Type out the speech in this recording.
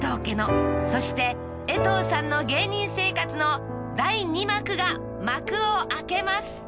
家のそしてえとうさんの芸人生活の第２幕が幕を開けます